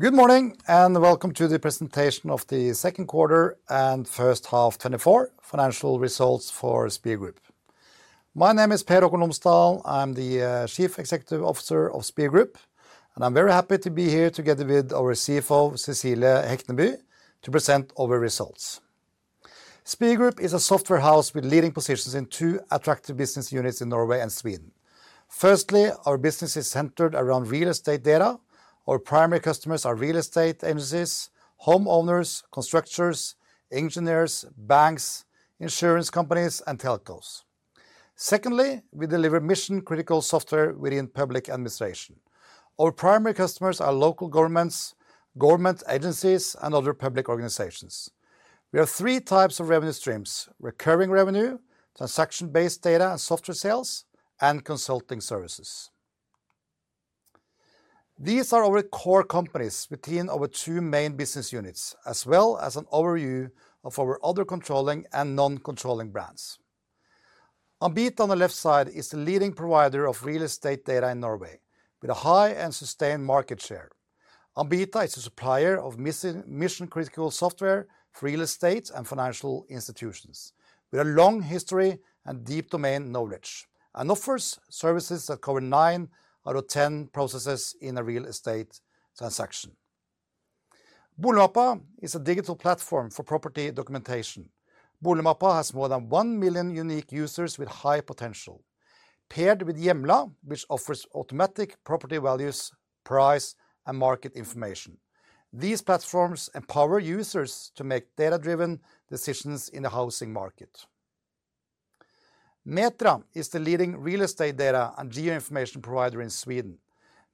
Good morning, and welcome to the presentation of the second quarter and first half 2024 financial results for Spir Group. My name is Per Haakon Lomsdalen. I'm the Chief Executive Officer of Spir Group, and I'm very happy to be here together with our CFO, Cecilie Hekneby, to present our results. Spir Group is a software house with leading positions in two attractive business units in Norway and Sweden. Firstly, our business is centered around real estate data. Our primary customers are real estate agencies, homeowners, constructors, engineers, banks, insurance companies, and telcos. Secondly, we deliver mission-critical software within public administration. Our primary customers are local governments, government agencies, and other public organizations. We have three types of revenue streams: recurring revenue, transaction-based data and software sales, and consulting services. These are our core companies within our two main business units, as well as an overview of our other controlling and non-controlling brands. Ambita on the left side is the leading provider of real estate data in Norway, with a high and sustained market share. Ambita is a supplier of mission-critical software for real estate and financial institutions, with a long history and deep domain knowledge, and offers services that cover nine out of ten processes in a real estate transaction. Boligmappa is a digital platform for property documentation. Boligmappa has more than 1 million unique users with high potential. Paired with Hjemla, which offers automatic property values, price, and market information, these platforms empower users to make data-driven decisions in the housing market. Metria is the leading real estate data and geoinformation provider in Sweden.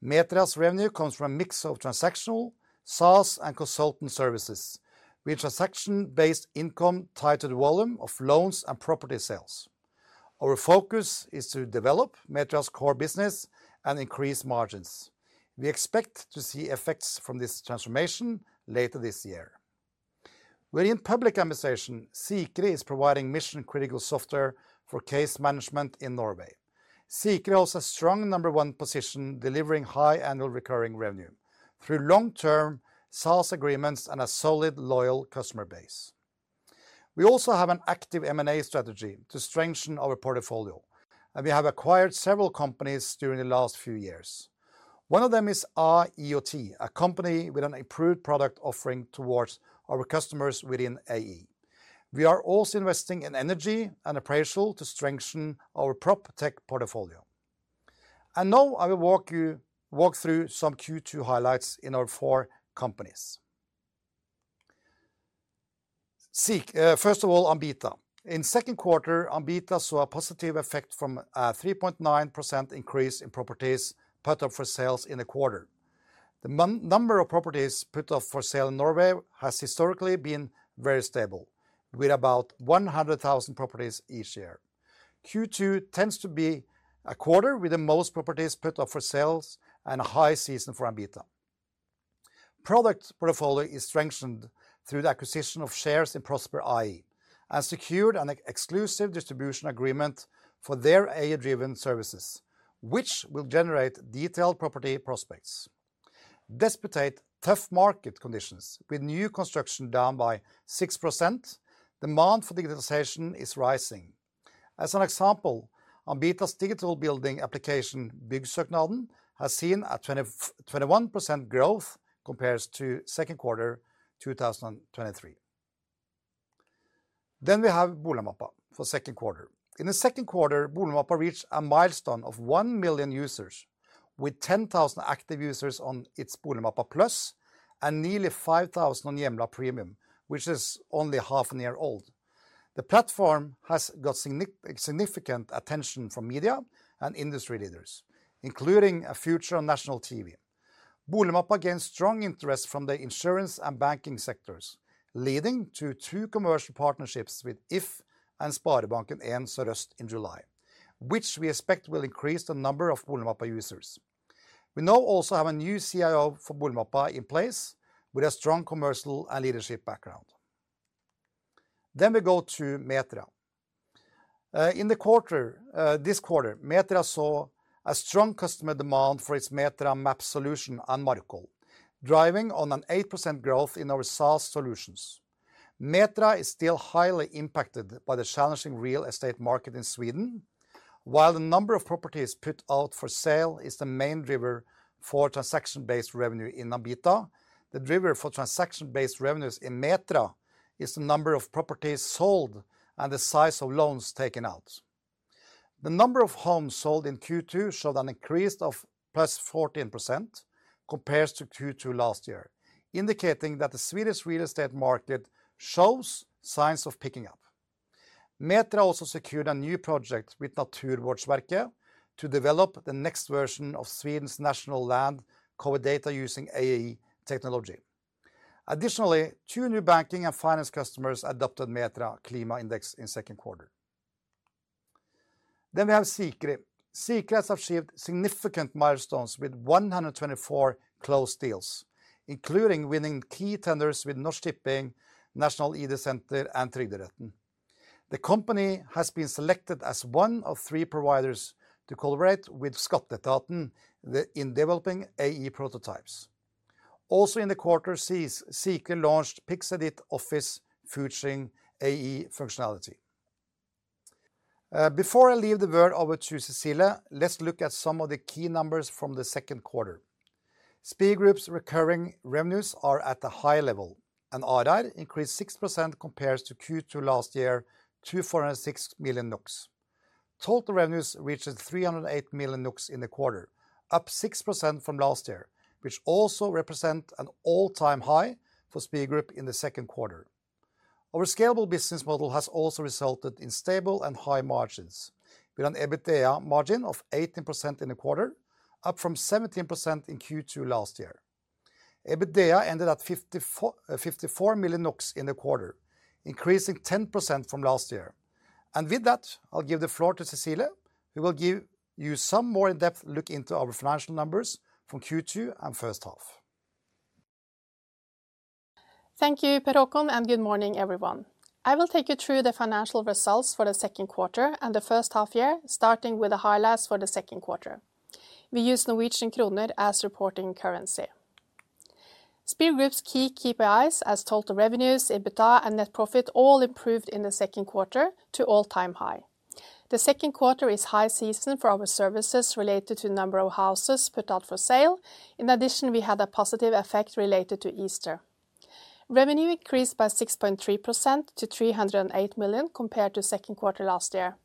Metria's revenue comes from a mix of transactional, SaaS, and consultant services, with transaction-based income tied to the volume of loans and property sales. Our focus is to develop Metria's core business and increase margins. We expect to see effects from this transformation later this year. Within public administration, Sikri is providing mission-critical software for case management in Norway. Sikri holds a strong number one position, delivering high annual recurring revenue through long-term SaaS agreements and a solid, loyal customer base. We also have an active M&A strategy to strengthen our portfolio, and we have acquired several companies during the last few years. One of them is our Prospect, a company with an improved product offering towards our customers within AI. We are also investing in energy and appraisal to strengthen our PropTech portfolio. And now I will walk you through some Q2 highlights in our four companies. Sikri, first of all, Ambita. In second quarter, Ambita saw a positive effect from a 3.9% increase in properties put up for sales in the quarter. The number of properties put up for sale in Norway has historically been very stable, with about one hundred thousand properties each year. Q2 tends to be a quarter with the most properties put up for sales and a high season for Ambita. Product portfolio is strengthened through the acquisition of shares in Prospect AI and secured an exclusive distribution agreement for their AI-driven services, which will generate detailed property prospects. Despite tough market conditions, with new construction down by 6%, demand for digitalization is rising. As an example, Ambita's digital building application, Byggesøknaden, has seen a 21% growth compares to second quarter 2023. Then we have Boligmappa for second quarter. In the second quarter, Boligmappa reached a milestone of one million users, with 10,000 active users on its Boligmappa Pluss, and nearly 5,000 on Hjemla Premium, which is only half a year old. The platform has got significant attention from media and industry leaders, including a feature on national TV. Boligmappa gained strong interest from the insurance and banking sectors, leading to two commercial partnerships with If and Sparebanken Sør in July, which we expect will increase the number of Boligmappa users. We now also have a new CIO for Boligmappa in place, with a strong commercial and leadership background. Then we go to Metria. In the quarter, this quarter, Metria saw a strong customer demand for its Metria Maps solution and Markkoll, driving on an 8% growth in our SaaS solutions. Metria is still highly impacted by the challenging real estate market in Sweden. While the number of properties put out for sale is the main driver for transaction-based revenue in Ambita, the driver for transaction-based revenues in Metria is the number of properties sold and the size of loans taken out. The number of homes sold in Q2 showed an increase of +14% compared to Q2 last year, indicating that the Swedish real estate market shows signs of picking up. Metria also secured a new project with Naturvårdsverket to develop the next version of Sweden's national land cover data using AI technology. Additionally, two new banking and finance customers adopted Metria Klimatindex in second quarter. Then we have Sikri. Sikri has achieved significant milestones with 124 closed deals, including winning key tenders with Norsk Tipping, Nasjonalt ID-senter, and Trygderetten. The company has been selected as one of three providers to collaborate with Skatteetaten in developing AI prototypes. Also, in the quarter, Sikri launched PixEdit Office, featuring AI functionality. Before I leave the word over to Cecilie, let's look at some of the key numbers from the second quarter. Spir Group's recurring revenues are at a high level, and ARR increased 6% compared to Q2 last year to 406 million NOK. Total revenues reached 308 million NOK in the quarter, up 6% from last year, which also represent an all-time high for Spir Group in the second quarter. Our scalable business model has also resulted in stable and high margins, with an EBITDA margin of 18% in the quarter, up from 17% in Q2 last year. EBITDA ended at fifty-four, 54 million NOK in the quarter, increasing 10% from last year. And with that, I'll give the floor to Cecilie, who will give you some more in-depth look into our financial numbers from Q2 and first half. Thank you, Per Haakon Lomsdal, and good morning, everyone. I will take you through the financial results for the second quarter and the first half year, starting with the highlights for the second quarter. We use Norwegian kroner as reporting currency. Spir Group's key KPIs as total revenues, EBITDA, and net profit all improved in the second quarter to all-time high. The second quarter is high season for our services related to number of houses put out for sale. In addition, we had a positive effect related to Easter. Revenue increased by 6.3% to 308 million, compared to second quarter last year.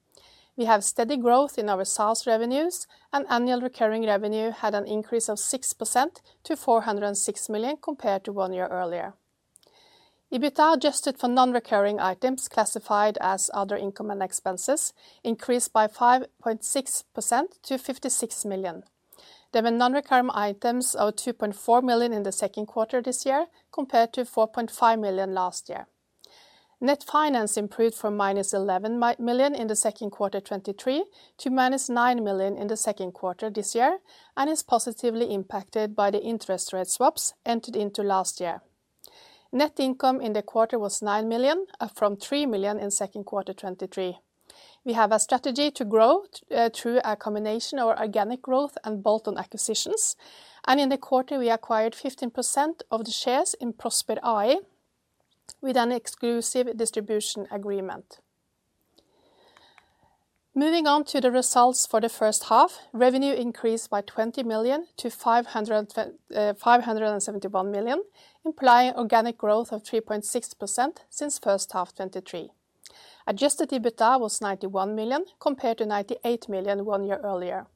We have steady growth in our sales revenues, and annual recurring revenue had an increase of 6% to 406 million, compared to one year earlier. EBITDA, adjusted for non-recurring items classified as other income and expenses, increased by 5.6% to 56 million. There were non-recurring items of 2.4 million in the second quarter this year, compared to 4.5 million last year. Net finance improved from minus 11 million in the second quarter 2023 to minus nine million in the second quarter this year and is positively impacted by the interest rate swaps entered into last year. Net income in the quarter was nine million, up from three million in second quarter 2023. We have a strategy to grow through a combination of organic growth and bolt-on acquisitions, and in the quarter, we acquired 15% of the shares in Prospect AI with an exclusive distribution agreement. Moving on to the results for the first half, revenue increased by 20 million to 571 million, implying organic growth of 3.6% since first half 2023. Adjusted EBITDA was 91 million, compared to 98 million one year earlier.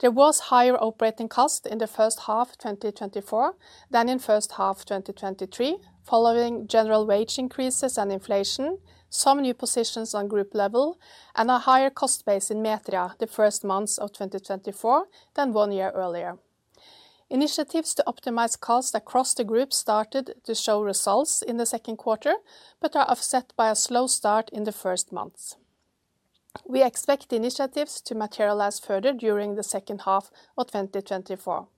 There was higher operating cost in the first half 2024 than in first half 2023, following general wage increases and inflation, some new positions on group level, and a higher cost base in Metria the first months of 2024 than one year earlier. Initiatives to optimize costs across the group started to show results in the second quarter but are offset by a slow start in the first months. We expect initiatives to materialize further during the second half of 2024.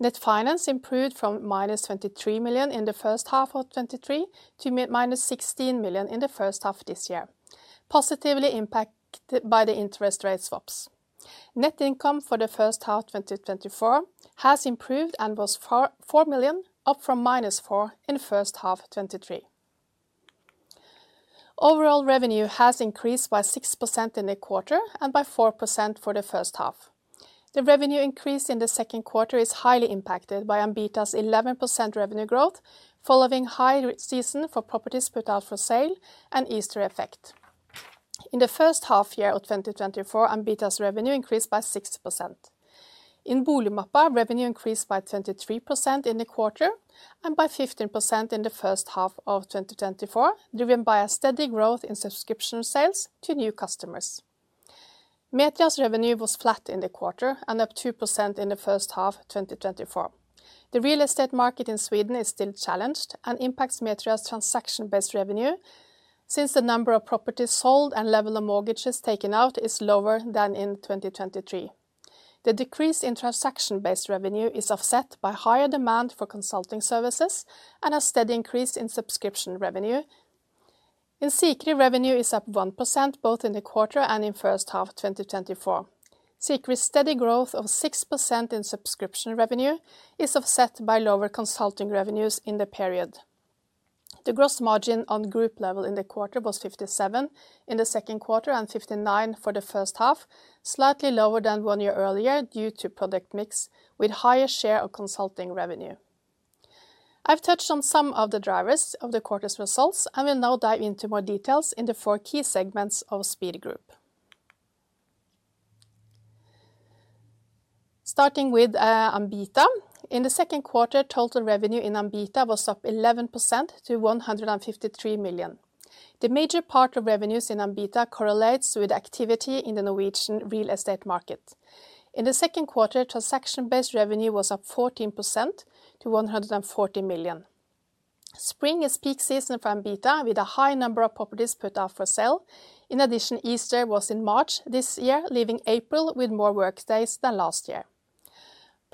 Net finance improved from minus 23 million in the first half of 2023 to minus 16 million in the first half this year, positively impacted by the interest rate swaps. Net income for the first half 2024 has improved and was four million, up from minus 4 million in first half 2023. Overall revenue has increased by 6% in the quarter and by 4% for the first half. The revenue increase in the second quarter is highly impacted by Ambita's 11% revenue growth following high season for properties put out for sale and Easter effect. In the first half year of 2024, Ambita's revenue increased by 6%. In Boligmappa, revenue increased by 23% in the quarter and by 15% in the first half of 2024, driven by a steady growth in subscription sales to new customers. Metria's revenue was flat in the quarter and up 2% in the first half 2024. The real estate market in Sweden is still challenged and impacts Metria's transaction-based revenue, since the number of properties sold and level of mortgages taken out is lower than in 2023. The decrease in transaction-based revenue is offset by higher demand for consulting services and a steady increase in subscription revenue. In Sikri, revenue is up 1%, both in the quarter and in first half 2024. Sikri's steady growth of 6% in subscription revenue is offset by lower consulting revenues in the period. The gross margin on group level in the quarter was 57% in the second quarter and 59% for the first half, slightly lower than one year earlier due to product mix, with higher share of consulting revenue. I've touched on some of the drivers of the quarter's results and will now dive into more details in the four key segments of Spir Group. Starting with Ambita. In the second quarter, total revenue in Ambita was up 11% to 153 million. The major part of revenues in Ambita correlates with activity in the Norwegian real estate market. In the second quarter, transaction-based revenue was up 14% to 140 million. Spring is peak season for Ambita, with a high number of properties put out for sale. In addition, Easter was in March this year, leaving April with more workdays than last year.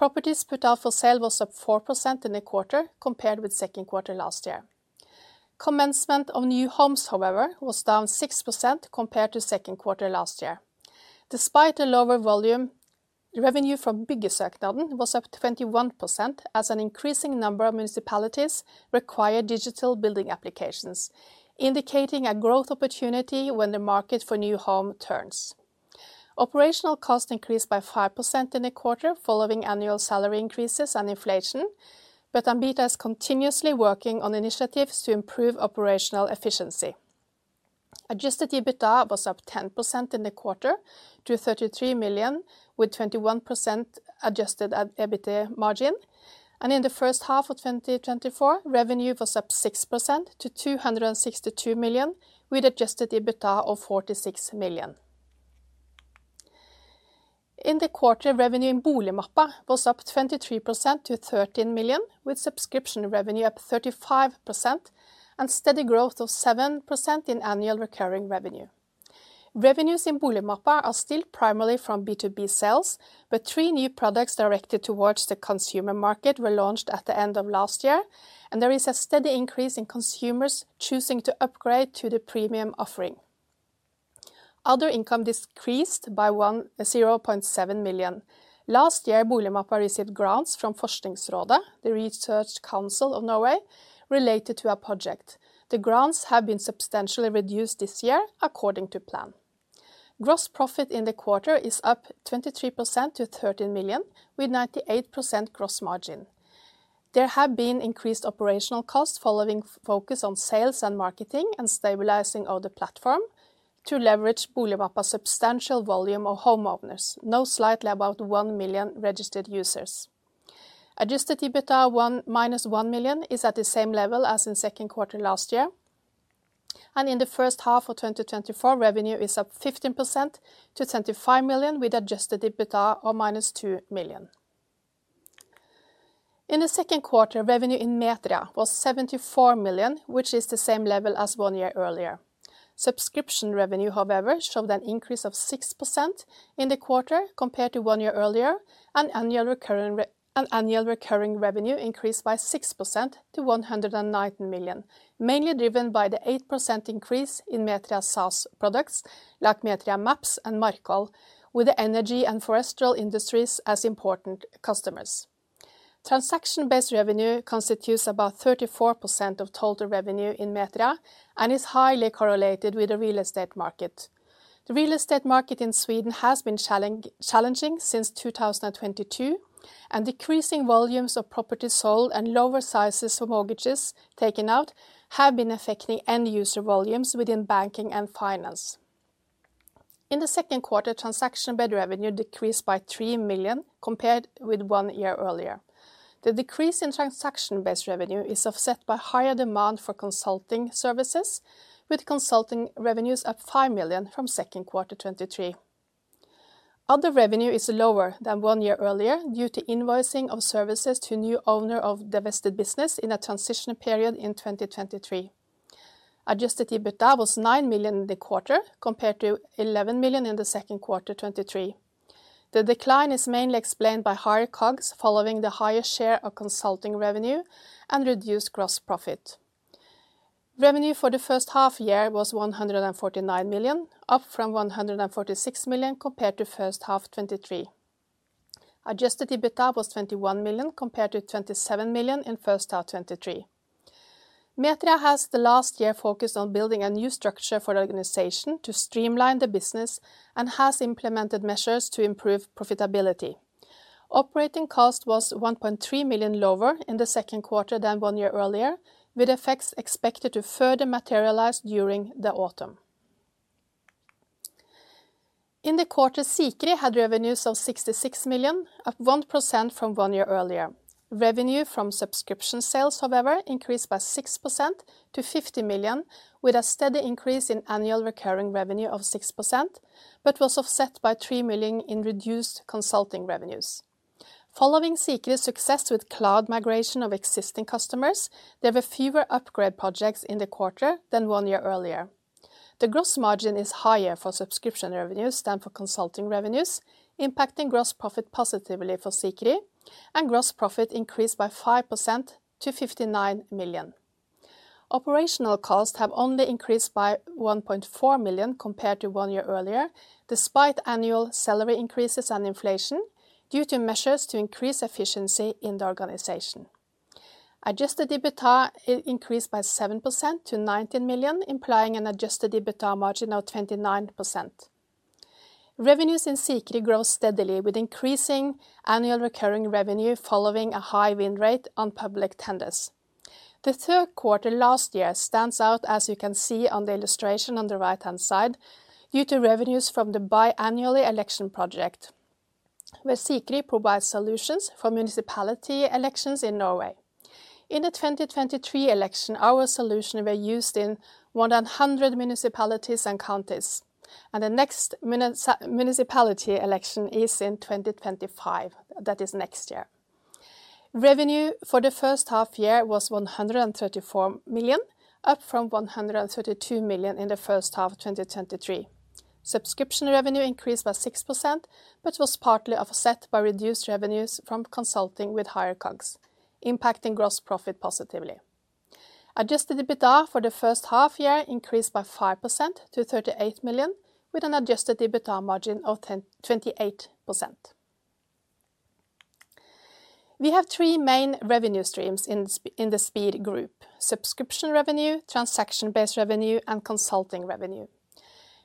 Properties put out for sale was up 4% in the quarter compared with second quarter last year. Commencement of new homes, however, was down 6% compared to second quarter last year. Despite the lower volume, revenue from Byggesøknaden was up 21% as an increasing number of municipalities require digital building applications, indicating a growth opportunity when the market for new home turns. Operational costs increased by 5% in the quarter following annual salary increases and inflation, but Ambita is continuously working on initiatives to improve operational efficiency. Adjusted EBITDA was up 10% in the quarter to 33 million, with 21% adjusted EBITDA margin, and in the first half of 2024, revenue was up 6% to 262 million, with adjusted EBITDA of 46 million. In the quarter, revenue in Boligmappa was up 23% to 13 million, with subscription revenue up 35% and steady growth of 7% in annual recurring revenue. Revenues in Boligmappa are still primarily from B2B sales, but three new products directed towards the consumer market were launched at the end of last year, and there is a steady increase in consumers choosing to upgrade to the premium offering. Other income decreased by 0.7 million. Last year, Boligmappa received grants from Forskningsrådet, the Research Council of Norway, related to a project. The grants have been substantially reduced this year, according to plan. Gross profit in the quarter is up 23% to 13 million, with 98% gross margin. There have been increased operational costs following focus on sales and marketing and stabilizing of the platform to leverage Boligmappa's substantial volume of homeowners, now slightly above 1 million registered users. Adjusted EBITDA minus 1 million is at the same level as in second quarter last year, and in the first half of 2024, revenue is up 15% to 25 million, with adjusted EBITDA of minus 2 million. In the second quarter, revenue in Metria was 74 million, which is the same level as one year earlier. Subscription revenue, however, showed an increase of 6% in the quarter compared to one year earlier, and annual recurring revenue increased by 6% to 119 million, mainly driven by the 8% increase in Metria's SaaS products, like Metria Maps and Markkoll, with the energy and forestry industries as important customers. Transaction-based revenue constitutes about 34% of total revenue in Metria and is highly correlated with the real estate market. The real estate market in Sweden has been challenging since 2022, and decreasing volumes of properties sold and lower sizes for mortgages taken out have been affecting end-user volumes within banking and finance. In the second quarter, transaction-based revenue decreased by 3 million compared with one year earlier. The decrease in transaction-based revenue is offset by higher demand for consulting services, with consulting revenues up 5 million from second quarter 2023. Other revenue is lower than one year earlier due to invoicing of services to new owner of divested business in a transition period in 2023. Adjusted EBITDA was 9 million in the quarter, compared to 11 million in the second quarter 2023. The decline is mainly explained by higher COGS following the higher share of consulting revenue and reduced gross profit. Revenue for the first half year was 149 million, up from 146 million compared to first half 2023. Adjusted EBITDA was 21 million, compared to 27 million in first half 2023. Metria has the last year focused on building a new structure for the organization to streamline the business and has implemented measures to improve profitability. Operating cost was 1.3 million lower in the second quarter than one year earlier, with effects expected to further materialize during the autumn. In the quarter, Sikri had revenues of 66 million, up 1% from one year earlier. Revenue from subscription sales, however, increased by 6% to 50 million, with a steady increase in annual recurring revenue of 6%, but was offset by 3 million in reduced consulting revenues. Following Sikri's success with cloud migration of existing customers, there were fewer upgrade projects in the quarter than one year earlier. The gross margin is higher for subscription revenues than for consulting revenues, impacting gross profit positively for Sikri, and gross profit increased by 5% to 59 million. Operational costs have only increased by 1.4 million compared to one year earlier, despite annual salary increases and inflation, due to measures to increase efficiency in the organization. Adjusted EBITDA increased by 7% to 19 million, implying an adjusted EBITDA margin of 29%. Revenues in Sikri grow steadily, with increasing annual recurring revenue following a high win rate on public tenders. The third quarter last year stands out, as you can see on the illustration on the right-hand side, due to revenues from the biannually election project, where Sikri provides solutions for municipality elections in Norway. In the 2023 election, our solution were used in more than 100 municipalities and counties, and the next municipality election is in 2025. That is next year. Revenue for the first half year was 134 million, up from 132 million in the first half of 2023. Subscription revenue increased by 6%, which was partly offset by reduced revenues from consulting with higher COGS, impacting gross profit positively. Adjusted EBITDA for the first half year increased by 5% to 38 million, with an adjusted EBITDA margin of 28%. We have three main revenue streams in the Spir Group: subscription revenue, transaction-based revenue, and consulting revenue.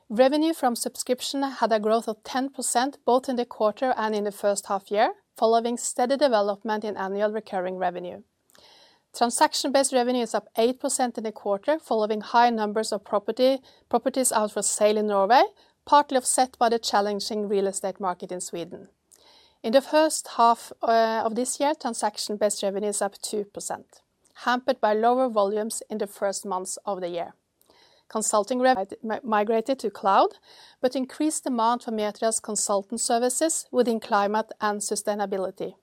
Revenue from subscription had a growth of 10%, both in the quarter and in the first half year, following steady development in annual recurring revenue. Transaction-based revenue is up 8% in the quarter, following high numbers of properties out for sale in Norway, partly offset by the challenging real estate market in Sweden. In the first half of this year, transaction-based revenue is up 2%, hampered by lower volumes in the first months of the year. Consulting revenue migrated to cloud, but increased demand for Metria's consultant services within climate and sustainability.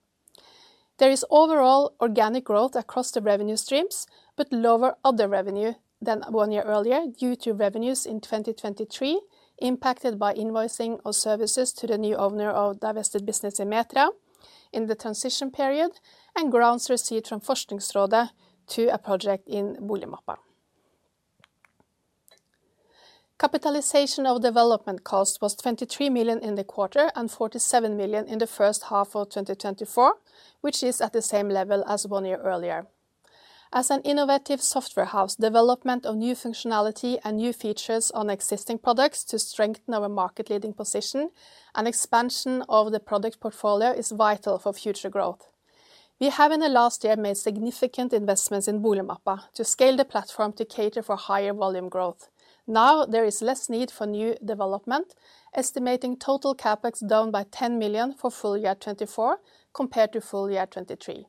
There is overall organic growth across the revenue streams, but lower other revenue than one year earlier due to revenues in 2023, impacted by invoicing of services to the new owner of divested business in Metria in the transition period, and grants received from Forskningsrådet to a project in Boligmappa. Capitalization of development costs was 23 million NOK in the quarter and 47 million NOK in the first half of 2024, which is at the same level as one year earlier. As an innovative software house, development of new functionality and new features on existing products to strengthen our market-leading position and expansion of the product portfolio is vital for future growth. We have, in the last year, made significant investments in Boligmappa to scale the platform to cater for higher volume growth. Now, there is less need for new development, estimating total CapEx down by 10 million for full year 2024, compared to full year 2023.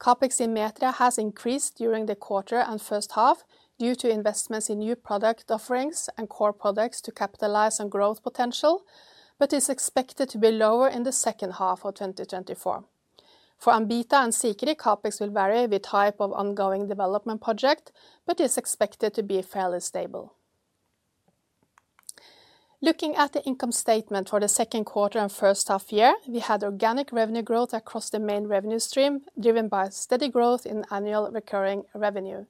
CapEx in Metria has increased during the quarter and first half due to investments in new product offerings and core products to capitalize on growth potential, but is expected to be lower in the second half of 2024. For Ambita and Sikri, CapEx will vary with type of ongoing development project, but is expected to be fairly stable. Looking at the income statement for the second quarter and first half year, we had organic revenue growth across the main revenue stream, driven by steady growth in annual recurring revenue.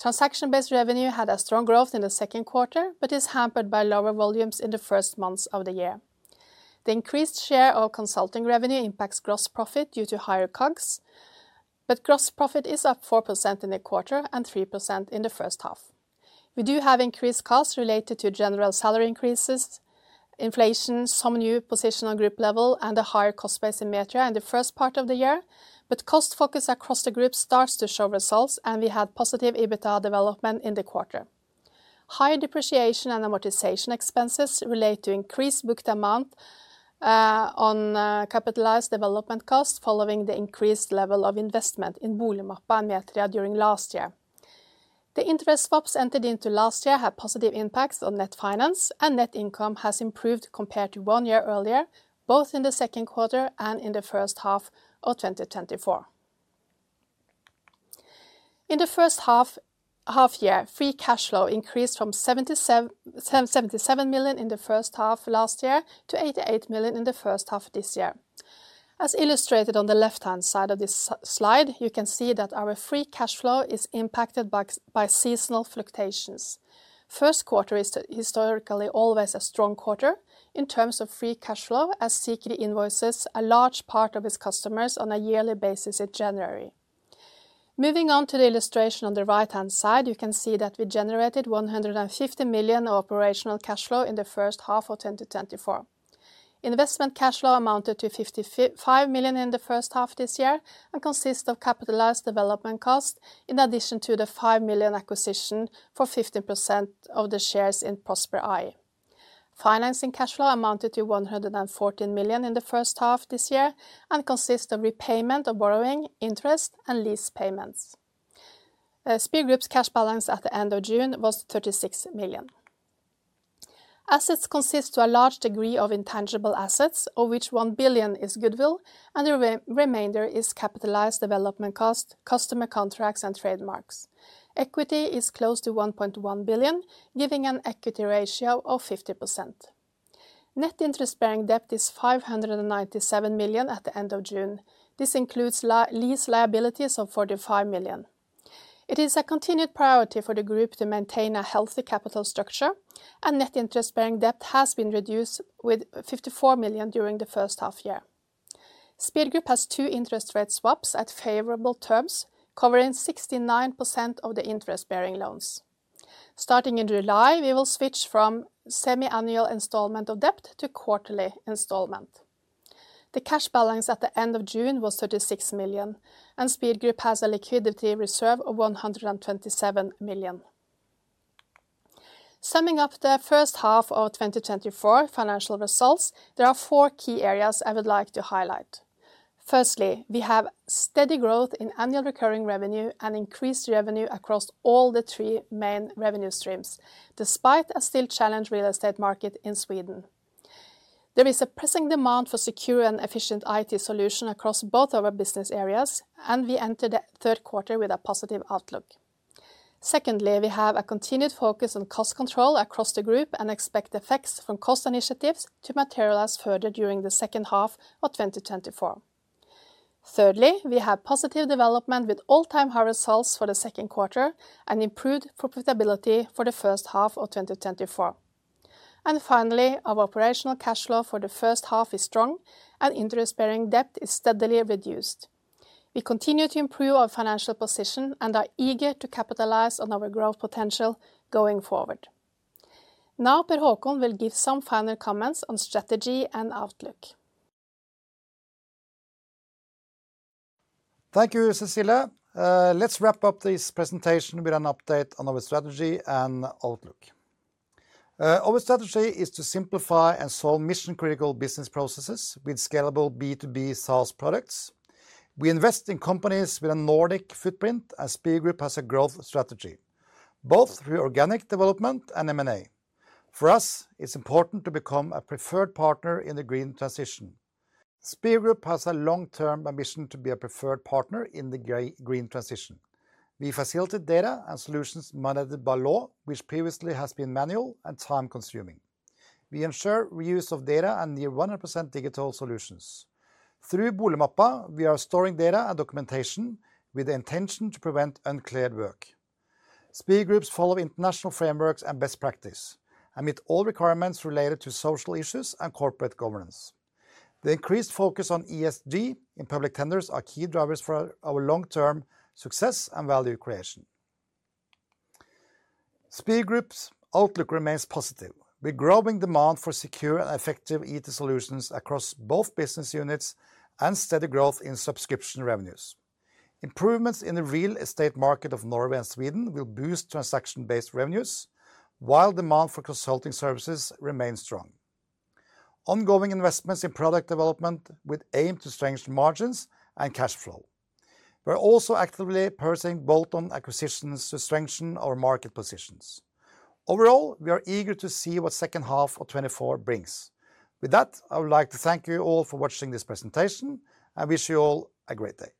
Transaction-based revenue had a strong growth in the second quarter, but is hampered by lower volumes in the first months of the year. The increased share of consulting revenue impacts gross profit due to higher COGS, but gross profit is up 4% in the quarter and 3% in the first half. We do have increased costs related to general salary increases, inflation, some new position on group level, and a higher cost base in Metria in the first part of the year. But cost focus across the group starts to show results, and we had positive EBITDA development in the quarter. Higher depreciation and amortization expenses relate to increased booked amount on capitalized development costs following the increased level of investment in Boligmappa and Metria during last year. The interest swaps entered into last year had positive impacts on net finance, and net income has improved compared to one year earlier, both in the second quarter and in the first half of twenty twenty-four. In the first half, free cash flow increased from 77 million NOK in the first half last year to 88 million NOK in the first half this year. As illustrated on the left-hand side of this slide, you can see that our free cash flow is impacted by seasonal fluctuations. First quarter is historically always a strong quarter in terms of free cash flow, as Sikri invoices a large part of its customers on a yearly basis in January. Moving on to the illustration on the right-hand side, you can see that we generated 150 million operational cash flow in the first half of 2024. Investment cash flow amounted to 55 million in the first half this year and consists of capitalized development cost, in addition to the 5 million acquisition for 15% of the shares in Prospect AI. Financing cash flow amounted to 114 million in the first half this year and consists of repayment of borrowing, interest, and lease payments. Spir Group's cash balance at the end of June was 36 million. Assets consist to a large degree of intangible assets, of which 1 billion is goodwill, and the remainder is capitalized development cost, customer contracts, and trademarks. Equity is close to 1.1 billion, giving an equity ratio of 50%. Net interest-bearing debt is 597 million at the end of June. This includes lease liabilities of 45 million. It is a continued priority for the group to maintain a healthy capital structure, and net interest-bearing debt has been reduced with 54 million during the first half year. Spir Group has 2 interest rate swaps at favorable terms, covering 69% of the interest-bearing loans. Starting in July, we will switch from semi-annual installment of debt to quarterly installment. The cash balance at the end of June was 36 million, and Spir Group has a liquidity reserve of 127 million. Summing up the first half of 2024 financial results, there are four key areas I would like to highlight. Firstly, we have steady growth in annual recurring revenue and increased revenue across all the three main revenue streams, despite a still challenged real estate market in Sweden. There is a pressing demand for secure and efficient IT solution across both our business areas, and we enter the third quarter with a positive outlook. Secondly, we have a continued focus on cost control across the group and expect effects from cost initiatives to materialize further during the second half of twenty twenty-four. Thirdly, we have positive development with all-time high results for the second quarter and improved profitability for the first half of twenty twenty-four. And finally, our operational cash flow for the first half is strong, and interest-bearing debt is steadily reduced. We continue to improve our financial position and are eager to capitalize on our growth potential going forward. Now, Per Haakon will give some final comments on strategy and outlook. Thank you, Cecilie. Let's wrap up this presentation with an update on our strategy and outlook. Our strategy is to simplify and solve mission-critical business processes with scalable B2B SaaS products. We invest in companies with a Nordic footprint, and Spir Group has a growth strategy, both through organic development and M&A. For us, it's important to become a preferred partner in the green transition. Spir Group has a long-term ambition to be a preferred partner in the green transition. We facilitate data and solutions managed by law, which previously has been manual and time-consuming. We ensure reuse of data and near 100% digital solutions. Through Boligmappa, we are storing data and documentation with the intention to prevent unclear work. Spir Group follows international frameworks and best practice and meet all requirements related to social issues and corporate governance. The increased focus on ESG in public tenders are key drivers for our long-term success and value creation. Spir Group's outlook remains positive, with growing demand for secure and effective IT solutions across both business units and steady growth in subscription revenues. Improvements in the real estate market of Norway and Sweden will boost transaction-based revenues, while demand for consulting services remains strong. Ongoing investments in product development with aim to strengthen margins and cash flow. We're also actively pursuing bolt-on acquisitions to strengthen our market positions. Overall, we are eager to see what second half of 2024 brings. With that, I would like to thank you all for watching this presentation and wish you all a great day.